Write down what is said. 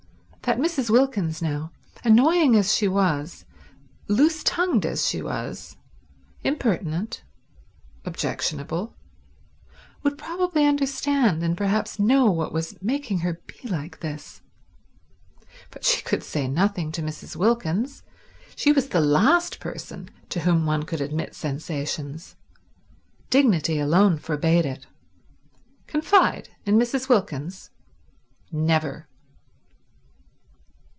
That Mrs. Wilkins, now—annoying as she was, loose tongued as she was, impertinent, objectionable, would probably understand, and perhaps know what was making her be like this. But she could say nothing to Mrs. Wilkins. She was the last person to whom one would admit sensations. Dignity alone forbade it. Confide in Mrs. Wilkins? Never.